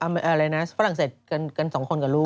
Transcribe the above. ไปเที่ยวฝรั่งเศสกัน๒คนกับลูก